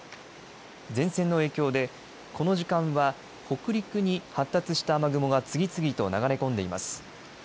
前線の影響でこの時間は北陸に発達した雨雲が次々と流れ込んでいます。